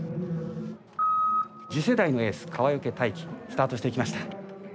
次世代のエース川除大輝スタートしていきました。